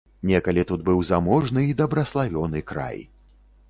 Некалі тут быў заможны й дабраславёны край.